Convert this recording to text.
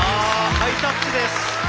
ハイタッチですよ。